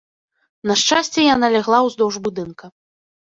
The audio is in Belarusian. На шчасце, яна легла ўздоўж будынка.